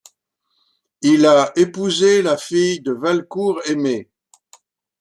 Il épousé la fille de Valcour Aimé.